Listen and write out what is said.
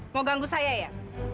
mau ganggu saya ya